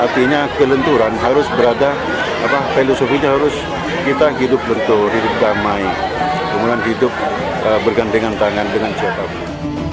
tenturan harus berada filosofinya harus kita hidup bentuk hidup damai kemudian hidup bergantian tangan dengan siapa pun